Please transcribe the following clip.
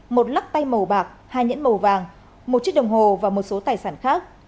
một lắc tay màu bạc hai nhẫn màu vàng một chiếc đồng hồ và một số tài sản khác